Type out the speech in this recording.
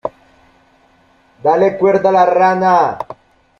¡ Dale cuerda a la rana!